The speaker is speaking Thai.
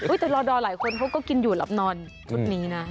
แต่รอดอหลายคนเขาก็กินอยู่หลับนอนชุดนี้นะ